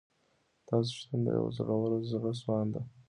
تاسو شتون د یوه زړور، زړه سواند